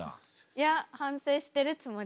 いや反省してるつもり。